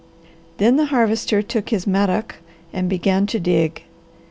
Then the Harvester took his mattock and began to dig.